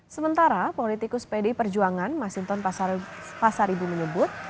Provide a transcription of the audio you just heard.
sementara politikus pdi perjuangan masinton pasaribu menyebut